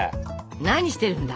何してるんだ？